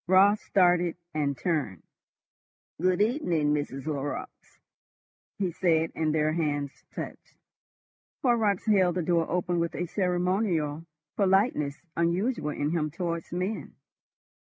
Raut started and turned. "Good evening, Mrs. Horrocks," he said, and their hands touched. Horrocks held the door open with a ceremonial politeness unusual in him towards men.